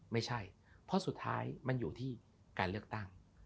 ไม่ใช่เพราะสุดท้ายมันอยู่ที่การเลือกตั้ง